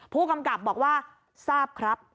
ผู้กำกับบอกว่าทราบครับ